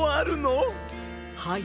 はい。